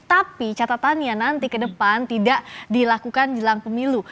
tapi catatannya nanti ke depan tidak dilakukan jelang pemilu